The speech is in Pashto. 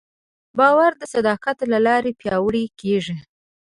باور د صداقت له لارې پیاوړی کېږي.